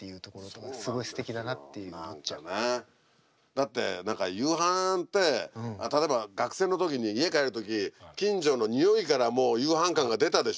だって何か夕飯って例えば学生の時に家帰る時近所の匂いからもう夕飯感が出たでしょ。